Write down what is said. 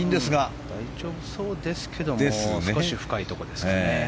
大丈夫そうですけども少し深いところですかね。